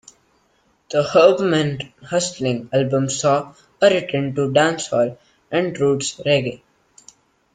The "Herbman Hustling" album saw a return to dancehall and roots reggae.